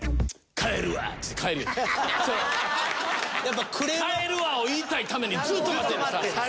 「帰るわ！」を言いたいためにずっと待ってる。